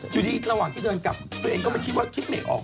อยู่ดีระหว่างที่เดินกลับตัวเองก็ไม่คิดว่าคิดไม่ออก